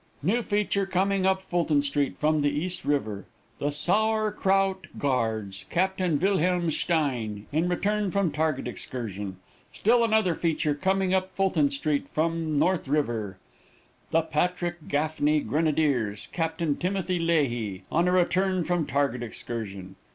New feature coming up Fulton street from the East River 'The Sour Krout Guards, Captain Wilhelm Stein,' in return from target excursion. Still another feature coming up Fulton street from North River 'The Patrick Gaffney Grenadiers, Captain Timothy Leahey,' on a return from target excursion.